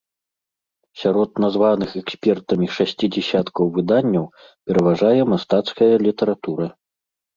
Сярод названых экспертамі шасці дзясяткаў выданняў пераважае мастацкая літаратура.